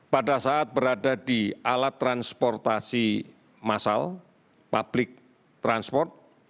pada saat berada di alat transportasi massal public transport